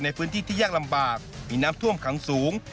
ในพื้นที่ที่ยากลำบากมีน้ำท่วมขังสูง